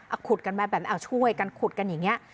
อ่ะขุดกันไหมแบบช่วยกันขุดกันอย่างนี้